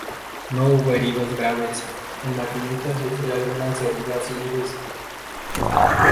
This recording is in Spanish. No hubo heridos graves, el maquinista sufrió algunas heridas leves.